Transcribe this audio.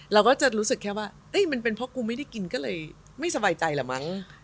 เราก็จะรู้สึกแค่ว่ามันเป็นเพราะกูไม่ได้กินก็เลยไม่สบายใจแหละมั้ง